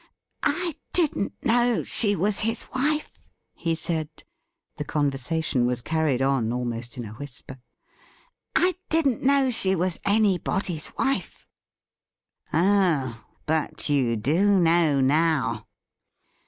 ' I didn't know she was his wife,' he said — the conversa tion was carried on almost in a whisper —' I didn't know she was anybody's wife.' ' Oh, but you do know now